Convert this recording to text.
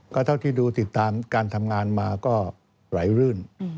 ก็เท่าที่ดูติดตามการทำงานมาก็ไหลรื่น